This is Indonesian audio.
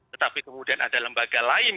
tetapi kemudian ada lembaga lain